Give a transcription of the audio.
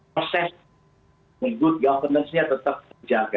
proses good governance nya tetap terjaga